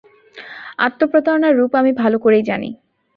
আত্মপ্রতারণার রুপ আমি ভালো করেই জানি।